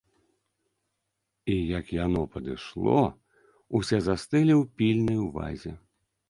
І, як яно падышло, усе застылі ў пільнай увазе.